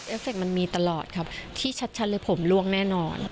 ฟเฟคมันมีตลอดครับที่ชัดเลยผมล่วงแน่นอน